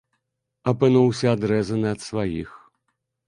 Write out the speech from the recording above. Апынуўся адрэзаны ад сваіх.